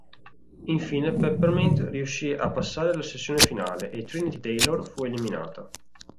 Infine, Peppermint riuscì a passare alla sessione finale, e Trinity Taylor fu eliminata.